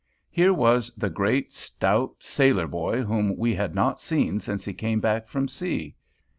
Here was the great stout sailor boy whom we had not seen since he came back from sea.